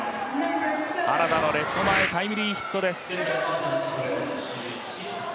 原田のレフト前タイムリーヒットです。